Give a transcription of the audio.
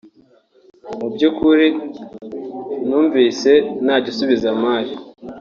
“Mu by’ukuri numvise nta gisubizo ampaye